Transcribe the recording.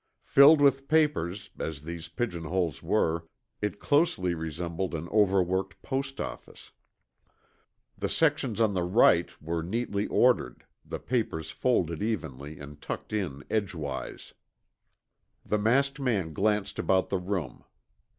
Filled with papers, as these pigeonholes were, it closely resembled an overworked post office. The sections on the right were neatly ordered, the papers folded evenly and tucked in edgewise. The masked man glanced about the room.